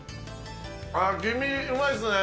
あっ、黄身うまいですね。